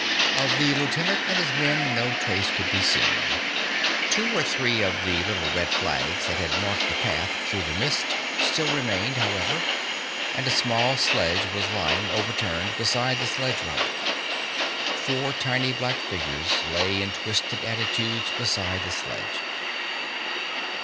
Of the lieutenant and his men no trace could be seen. Two or three of the little red flags that had marked the path through the mist still remained, however, and a small sledge was lying, overturned, beside the sledge route. Four tiny black figures lay in twisted attitudes beside the sledge.